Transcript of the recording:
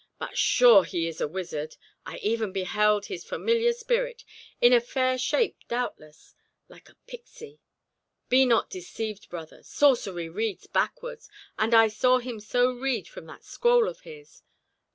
"But sure he is a wizard. I even beheld his familiar spirit—in a fair shape doubtless—like a pixy! Be not deceived, brother. Sorcery reads backwards—and I saw him so read from that scroll of his.